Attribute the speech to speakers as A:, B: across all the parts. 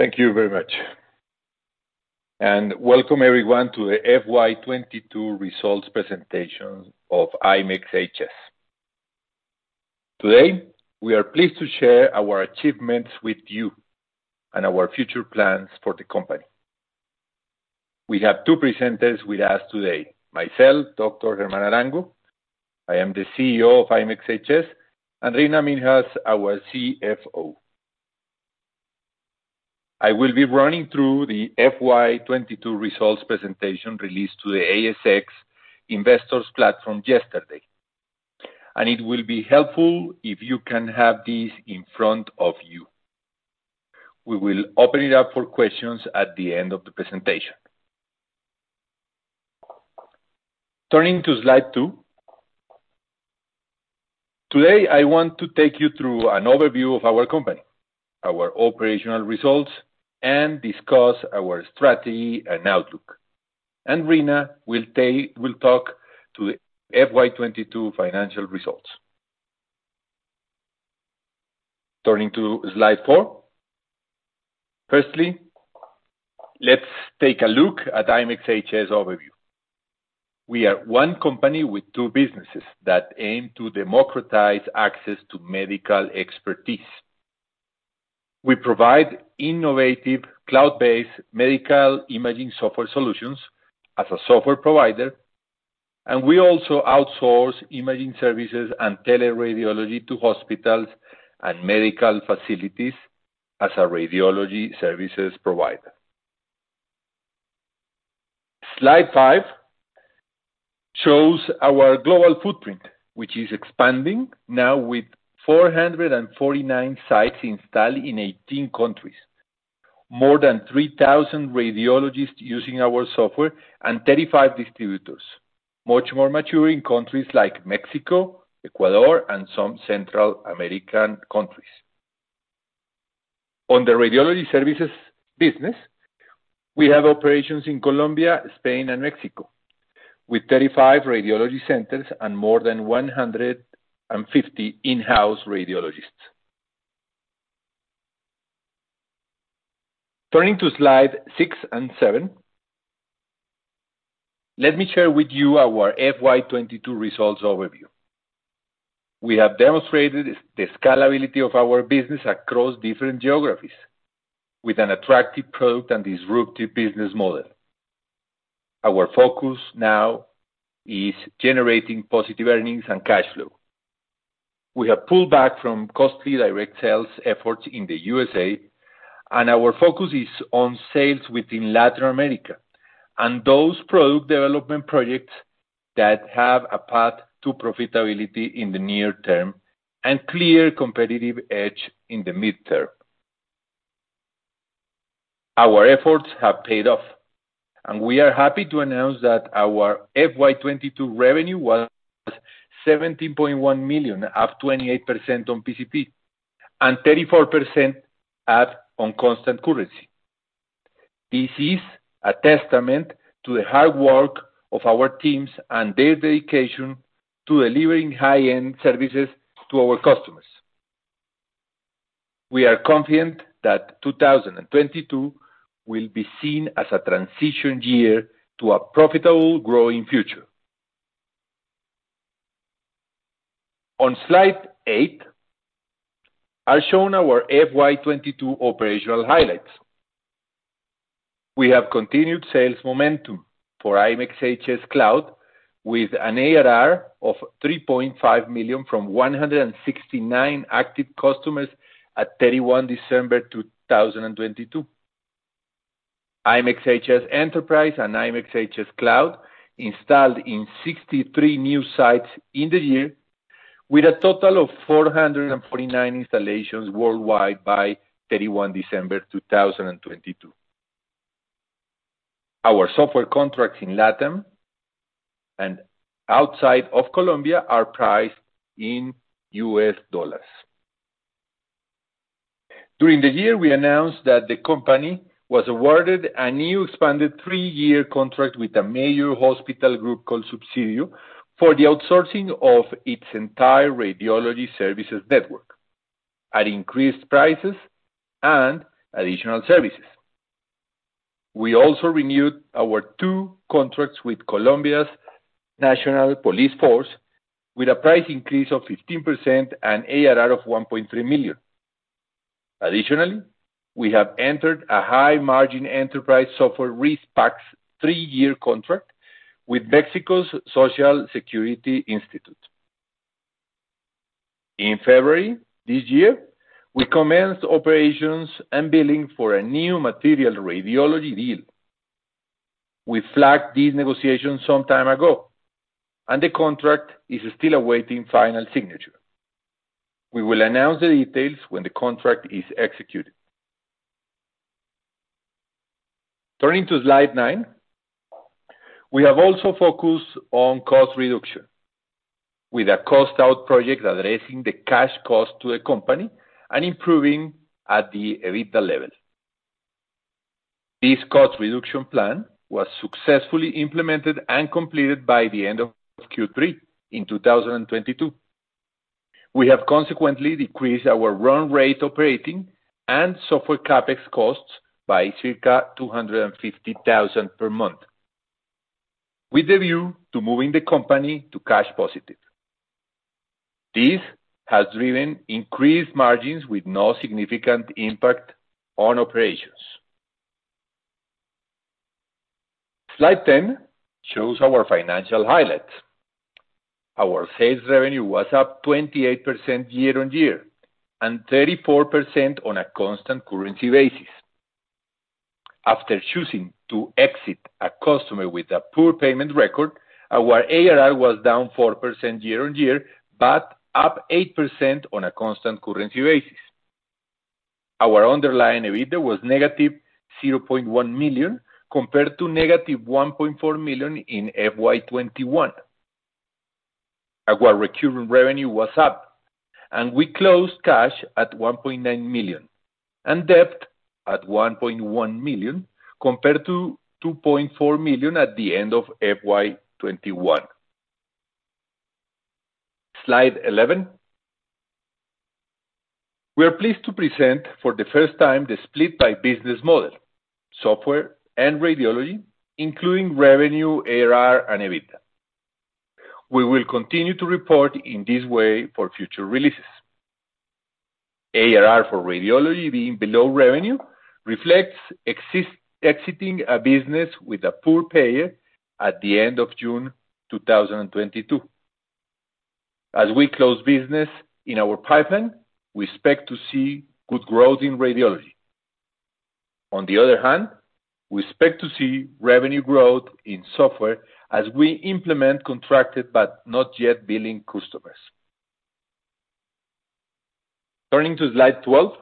A: Thank you very much. Welcome everyone to the FY 2022 results presentation of IMEXHS. Today, we are pleased to share our achievements with you and our future plans for the company. We have two presenters with us today. Myself, Dr. Germán Arango. I am the CEO of IMEXHS, and Reena Minhas, our CFO. I will be running through the FY 2022 results presentation released to the ASX investors platform yesterday. It will be helpful if you can have this in front of you. We will open it up for questions at the end of the presentation. Turning to Slide 2. Today, I want to take you through an overview of our company, our operational results, and discuss our strategy and outlook. Reena will talk to the FY 2022 financial results. Turning to Slide 4. Firstly, let's take a look at IMEXHS overview. We are one company with two businesses that aim to democratize access to medical expertise. We provide innovative cloud-based medical imaging software solutions as a software provider, and we also outsource imaging services and teleradiology to hospitals and medical facilities as a radiology services provider. Slide 5 shows our global footprint, which is expanding now with 449 sites installed in 18 countries. More than 3,000 radiologists using our software and 35 distributors. Much more mature in countries like Mexico, Ecuador, and some Central American countries. On the radiology services business, we have operations in Colombia, Spain, and Mexico, with 35 radiology centers and more than 150 in-house radiologists. Turning to Slide 6 and 7, let me share with you our FY 2022 results overview. We have demonstrated the scalability of our business across different geographies with an attractive product and disruptive business model. Our focus now is generating positive earnings and cash flow. We have pulled back from costly direct sales efforts in the U.S.A. Our focus is on sales within Latin America and those product development projects that have a path to profitability in the near term and clear competitive edge in the mid-term. Our efforts have paid off. We are happy to announce that our FY 2022 revenue was 17.1 million, up 28% on PCP and 34% up on constant currency. This is a testament to the hard work of our teams and their dedication to delivering high-end services to our customers. We are confident that 2022 will be seen as a transition year to a profitable, growing future. On Slide 8, I show now our FY 2022 operational highlights. We have continued sales momentum for IMEXHS Cloud with an ARR of $3.5 million from 169 active customers at 31 December 2022. IMEXHS Enterprise and IMEXHS Cloud installed in 63 new sites in the year, with a total of 449 installations worldwide by 31 December 2022. Our software contracts in LATAM and outside of Colombia are priced in US dollars. During the year, we announced that the company was awarded a new expanded three-year contract with a major hospital group called Colsubsidio for the outsourcing of its entire radiology services network at increased prices and additional services. We also renewed our two contracts with Colombia's National Police Force with a price increase of 15% an ARR of $1.3 million. Additionally, we have entered a high-margin enterprise software RIS/PACS three-year contract with Mexico's Social Security Institute. In February this year, we commenced operations and billing for a new material radiology deal. We flagged these negotiations some time ago, and the contract is still awaiting final signature. We will announce the details when the contract is executed. Turning to Slide 9. We have also focused on cost reduction with a cost-out project addressing the cash cost to the company and improving at the EBITDA level. This cost reduction plan was successfully implemented and completed by the end of Q3 in 2022. We have consequently decreased our run rate operating and software CapEx costs by circa 250,000 per month with a view to moving the company to cash positive. This has driven increased margins with no significant impact on operations. Slide 10 shows our financial highlights. Our sales revenue was up 28% year-on-year and 34% on a constant currency basis. After choosing to exit a customer with a poor payment record, our ARR was down 4% year-on-year, but up 8% on a constant currency basis. Our underlying EBITDA was -0.1 million compared to -1.4 million in FY 2021. Our recurring revenue was up, we closed cash at 1.9 million and debt at 1.1 million compared to 2.4 million at the end of FY 2021. Slide 11. We are pleased to present for the first time the split by business model, software and radiology, including revenue, ARR, and EBITDA. We will continue to report in this way for future releases. ARR for radiology being below revenue reflects exiting a business with a poor payer at the end of June 2022. We close business in our pipeline, we expect to see good growth in radiology. On the other hand, we expect to see revenue growth in software as we implement contracted but not yet billing customers. Turning to Slide 12.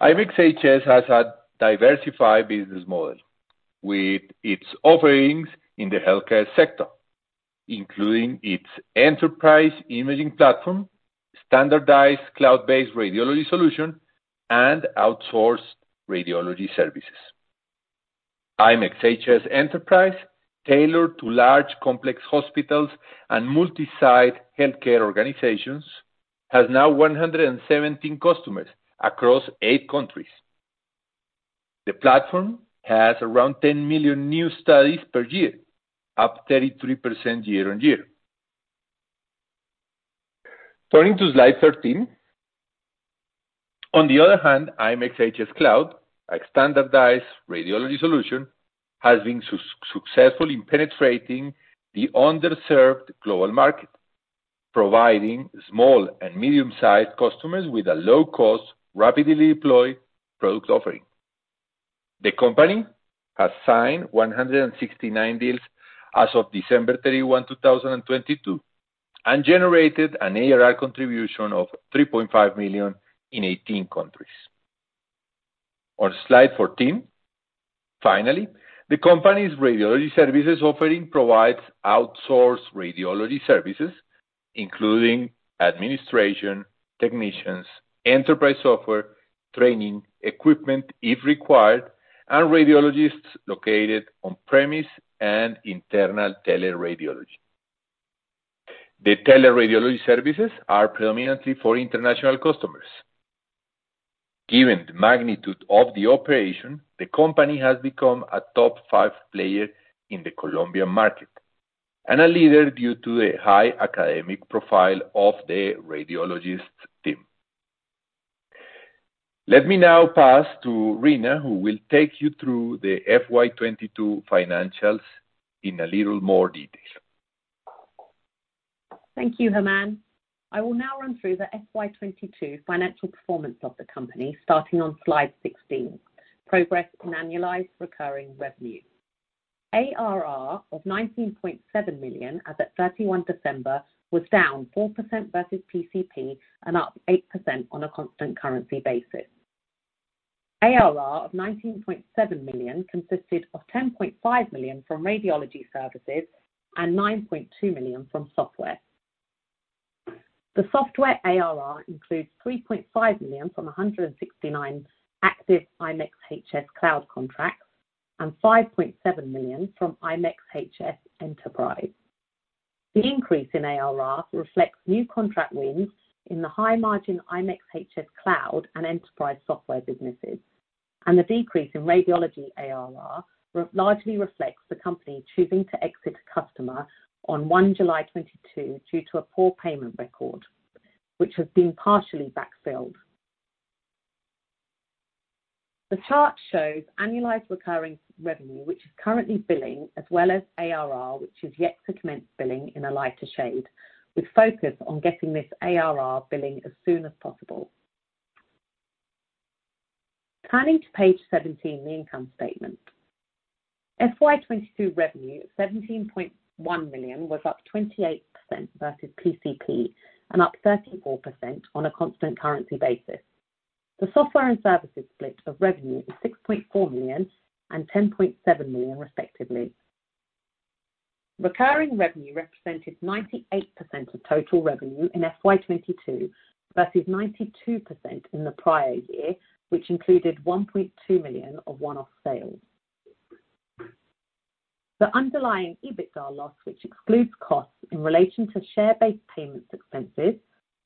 A: IMEXHS has a diversified business model with its offerings in the healthcare sector, including its enterprise imaging platform, standardized cloud-based radiology solution, and outsourced radiology services. IMEXHS Enterprise, tailored to large complex hospitals and multi-site healthcare organizations, has now 117 customers across eight countries. The platform has around 10 million new studies per year, up 33% year-over-year. Turning to Slide 13. On the other hand, IMEXHS Cloud, a standardized radiology solution, has been successful in penetrating the underserved global market, providing small and medium-sized customers with a low cost, rapidly deployed product offering. The company has signed 169 deals as of December 31, 2022, and generated an ARR contribution of 3.5 million in 18 countries. On Slide 14. Finally, the company's radiology services offering provides outsourced radiology services, including administration, technicians, enterprise software, training, equipment, if required, and radiologists located on premise and internal teleradiology. The teleradiology services are predominantly for international customers. Given the magnitude of the operation, the company has become a top 5 player in the Colombian market and a leader due to the high academic profile of the radiologist team. Let me now pass to Reena, who will take you through the FY 2022 financials in a little more detail.
B: Thank you, Germán. I will now run through the FY 2022 financial performance of the company starting on slide 16, progress in annualized recurring revenue. ARR of 19.7 million as at 31 December was down 4% versus PCP and up 8% on a constant currency basis. ARR of 19.7 million consisted of 10.5 million from radiology services and 9.2 million from software. The software ARR includes 3.5 million from 169 active IMEXHS Cloud contracts and 5.7 million from IMEXHS Enterprise. The increase in ARR reflects new contract wins in the high margin IMEXHS Cloud and enterprise software businesses. The decrease in radiology ARR largely reflects the company choosing to exit a customer on 1 July 2022 due to a poor payment record, which has been partially backfilled. The chart shows annualized recurring revenue, which is currently billing as well as ARR, which is yet to commence billing in a lighter shade. We focus on getting this ARR billing as soon as possible. Turning to Page 17, the income statement. FY 2022 revenue of 17.1 million was up 28% versus PCP and up 34% on a constant currency basis. The software and services split of revenue is 6.4 million and 10.7 million respectively. Recurring revenue represented 98% of total revenue in FY 2022 versus 92% in the prior year, which included 1.2 million of one-off sales. The underlying EBITDA loss, which excludes costs in relation to share-based payments expenses,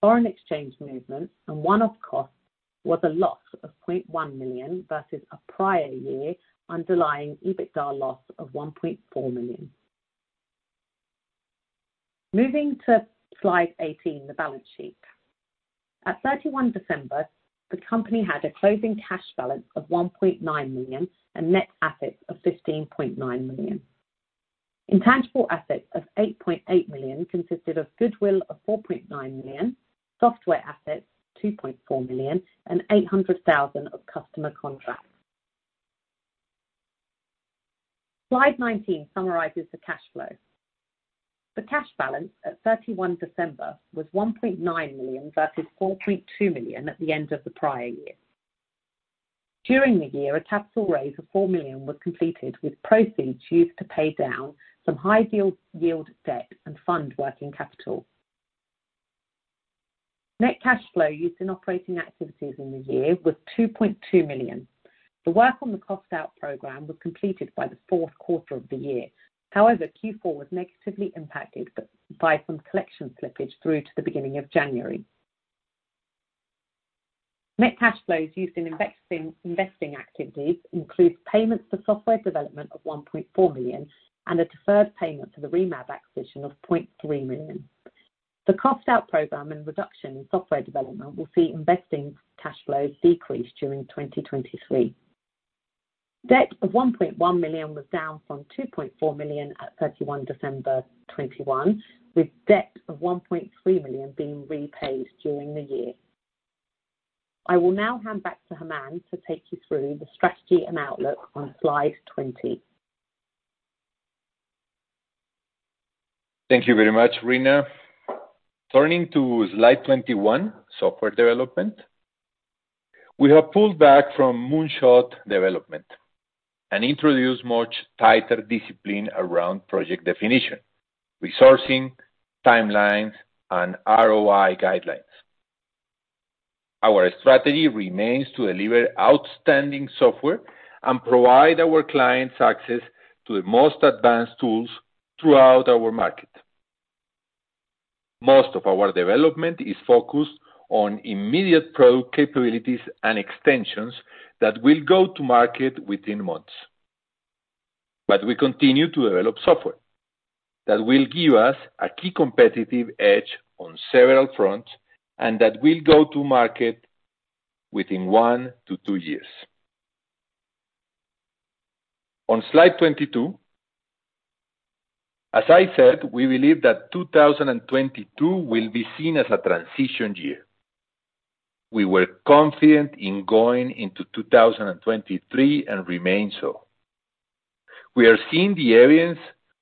B: foreign exchange movements, and one-off costs, was a loss of 0.1 million versus a prior year underlying EBITDA loss of 1.4 million. Moving to Slide 18, the balance sheet. At 31 December, the company had a closing cash balance of 1.9 million and net assets of 15.9 million. Intangible assets of 8.8 million consisted of goodwill of 4.9 million, software assets, 2.4 million, and 800,000 of customer contracts. Slide 19 summarizes the cash flow. The cash balance at 31 December was 1.9 million versus 4.2 million at the end of the prior year. During the year, a capital raise of 4 million was completed with proceeds used to pay down some high yield debt and fund working capital. Net cash flow used in operating activities in the year was 2.2 million. The work on the cost-out program was completed by the fourth quarter of the year. Q4 was negatively impacted by some collection slippage through to the beginning of January. Net cash flows used in investing activities includes payments for software development of 1.4 million and a deferred payment for the RIMAB acquisition of 0.3 million. The cost-out program and reduction in software development will see investing cash flows decrease during 2023. Debt of 1.1 million was down from 2.4 million at 31 December 2021, with debt of 1.3 million being repaid during the year. I will now hand back to Germán to take you through the strategy and outlook on Slide 20.
A: Thank you very much, Reena. Turning to Slide 21, software development. We have pulled back from moonshot development and introduced much tighter discipline around project definition, resourcing, timelines, and ROI guidelines. Our strategy remains to deliver outstanding software and provide our clients access to the most advanced tools throughout our market. Most of our development is focused on immediate pro capabilities and extensions that will go-to-market within months. We continue to develop software that will give us a key competitive edge on several fronts, and that will go-to-market within one-two years. On Slide 22, as I said, we believe that 2022 will be seen as a transition year. We were confident in going into 2023 and remain so. We are seeing the evidence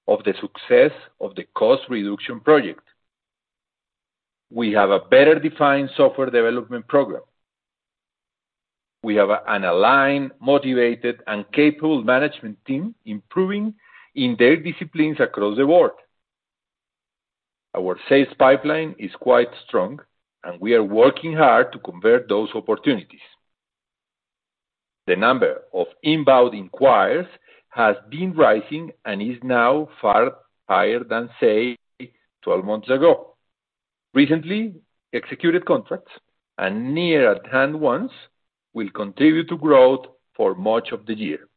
A: of the success of the cost reduction project. We have a better-defined software development program. We have an aligned, motivated, and capable management team improving in their disciplines across the board. Our sales pipeline is quite strong, and we are working hard to convert those opportunities. The number of inbound inquiries has been rising and is now far higher than, say, 12 months ago. Recently executed contracts and near at hand ones will continue to grow for much of the year.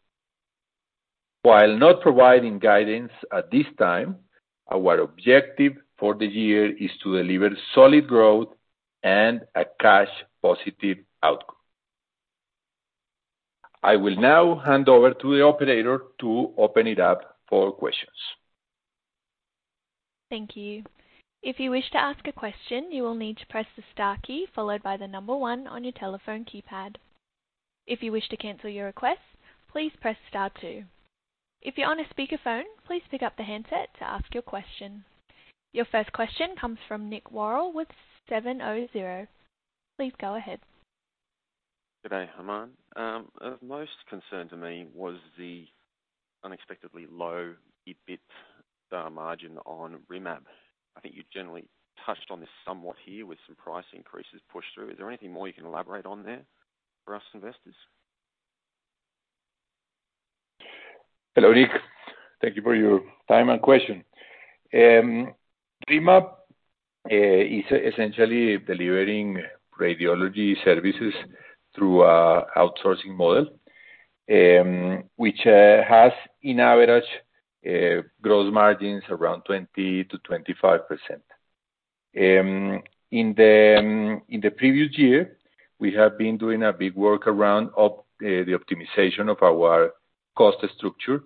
A: While not providing guidance at this time, our objective for the year is to deliver solid growth and a cash positive outcome. I will now hand over to the operator to open it up for questions.
C: Thank you. If you wish to ask a question, you will need to press the star key followed by number one on your telephone keypad. If you wish to cancel your request, please press star two. If you're on a speakerphone, please pick up the handset to ask your question. Your first question comes from Nick Worrell with 700. Please go ahead.
D: Good day, Germán. Of most concern to me was the unexpectedly low EBIT margin on RIMAB. I think you generally touched on this somewhat here with some price increases pushed through. Is there anything more you can elaborate on there for us investors?
A: Hello, Nick. Thank you for your time and question. RIMAB is essentially delivering radiology services through a outsourcing model, which has in average gross margins around 20%-25%. In the previous year, we have been doing a big work around the optimization of our cost structure.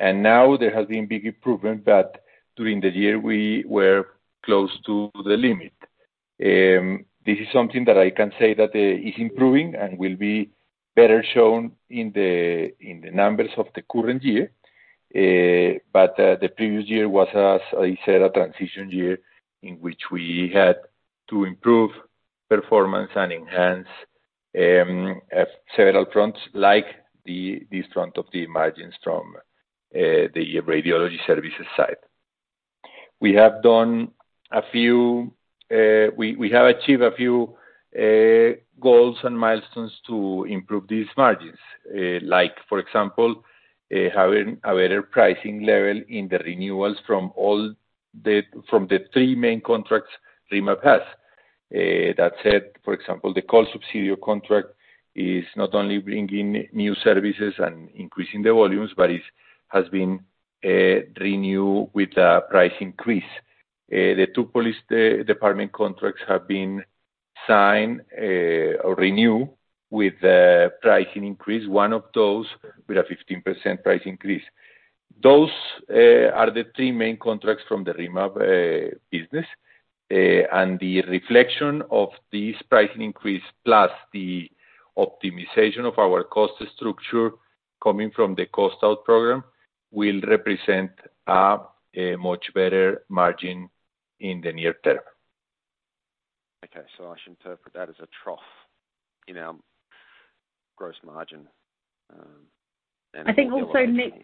A: Now there has been big improvement, but during the year, we were close to the limit. This is something that I can say that is improving and will be better shown in the numbers of the current year. The previous year was, as I said, a transition year in which we had to improve performance and enhance at several fronts, like this front of the margins from the radiology services side. We have achieved a few goals and milestones to improve these margins. Like for example, having a better pricing level in the renewals from the three main contracts RIMAB has. That said, for example, the Colsubsidio contract is not only bringing new services and increasing the volumes, but it has been renewed with a price increase. The two Police Department contracts have been signed or renewed with a pricing increase, one of those with a 15% price increase. Those are the three main contracts from the RIMAB business. The reflection of this pricing increase plus the optimization of our cost structure coming from the cost out program will represent a much better margin in the near term.
D: Okay. I should interpret that as a trough in our gross margin.
B: I think also Nick,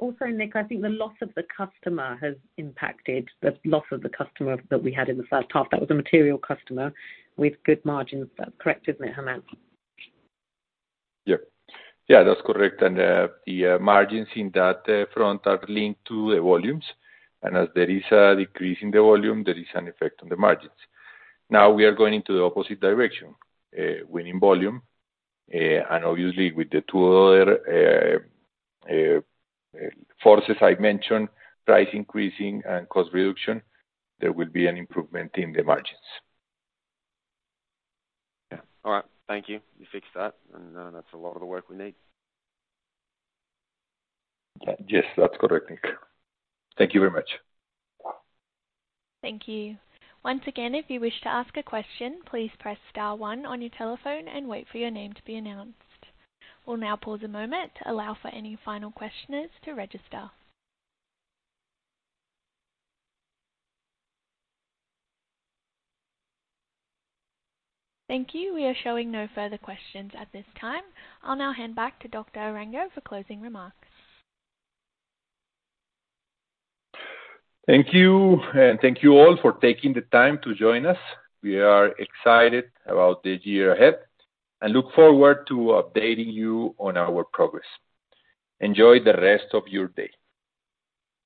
B: I think the loss of the customer has impacted the loss of the customer that we had in the first half. That was a material customer with good margins. That's correct, isn't it, Germán?
A: Yeah. Yeah, that's correct. The margins in that front are linked to the volumes. As there is a decrease in the volume, there is an effect on the margins. Now we are going into the opposite direction, winning volume. Obviously with the two other forces I mentioned, price increasing and cost reduction, there will be an improvement in the margins.
D: Yeah. All right. Thank you. You fixed that, and that's a lot of the work we need.
A: Yes, that's correct, Nick. Thank you very much.
C: Thank you. Once again, if you wish to ask a question, please press star one on your telephone and wait for your name to be announced. We'll now pause a moment to allow for any final questioners to register. Thank you. We are showing no further questions at this time. I'll now hand back to Dr. Arango for closing remarks.
A: Thank you. Thank you all for taking the time to join us. We are excited about the year ahead and look forward to updating you on our progress. Enjoy the rest of your day.